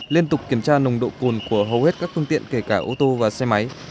liên tục kiểm tra nồng độ cồn của hầu hết các phương tiện kể cả ô tô và xe máy